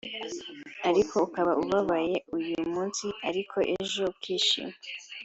ariko ukaba ubabaye uyu munsi ariko ejo ukishima